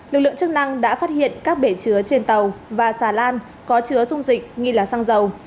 lực lượng chức năng đã phát hiện các bể chứa trên tàu và xà lan có chứa dung dịch nghi là xăng dầu